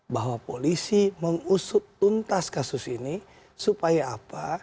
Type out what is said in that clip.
bahwa polisi mengusut tuntas kasus ini supaya apa